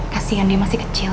kasian dia masih kecil